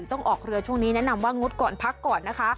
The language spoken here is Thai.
ออกเรือช่วงนี้แนะนำว่างดออกเตือน